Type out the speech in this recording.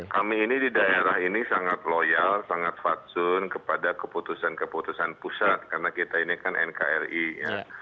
kami ini di daerah ini sangat loyal sangat fatsun kepada keputusan keputusan pusat karena kita ini kan nkri ya